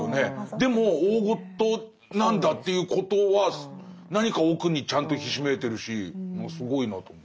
でも大ごとなんだということは何か奥にちゃんとひしめいてるしもうすごいなと思う。